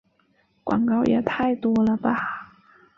广告也太多了吧